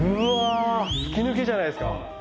うわ吹き抜けじゃないですか。